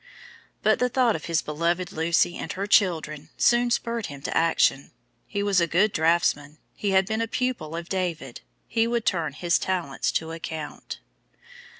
But the thought of his beloved Lucy and her children soon spurred him to action. He was a good draughtsman, he had been a pupil of David, he would turn his talents to account.